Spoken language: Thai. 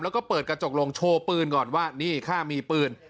แล้วก็เปิดกระจกลงโชว์ปืนก่อนว่านี่ข้ามีปืน